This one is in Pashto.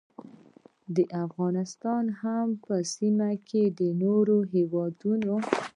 د افغانستان او هم په سیمه کې د نورو هیوادونو